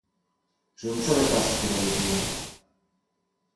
Je ne savais pas ce qu'elle allait dire.